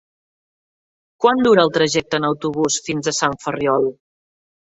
Quant dura el trajecte en autobús fins a Sant Ferriol?